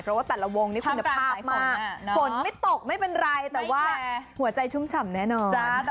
เพราะว่าแต่ละวงนี่คุณภาพมากฝนไม่ตกไม่เป็นไรแต่ว่าหัวใจชุ่มฉ่ำแน่นอน